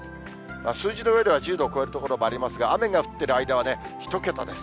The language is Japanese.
数字の上では１０度を超える所もありますが、雨が降っている間は、１桁です。